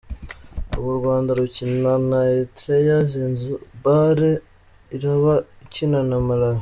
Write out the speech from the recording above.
Ubwo u Rwanda rukina na Eritrea, Zanzibar iraba ikina na Malawi.